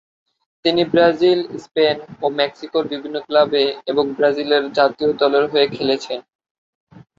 তিনি Brazil, Spain ও মেক্সিকোর বিভিন্ন ক্লাবে এবং ব্রাজিলের জাতীয় দলের হয়ে খেলেছেন।